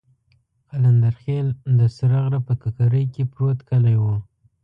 قلندرخېل د سره غره په ککرۍ کې پروت کلی وو.